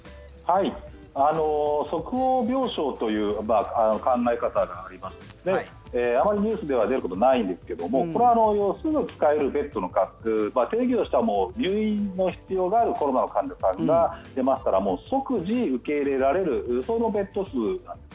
即応病床という考え方がありましてあまりニュースでは出ることはないんですけどこれはすぐ使えるベッドの数定義としては、入院の必要があるコロナの患者さんが出ますから即時受け入れられるそのベッド数なんです。